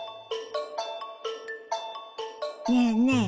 ねえねえ